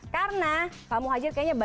karena pak muhajir kayaknya bayar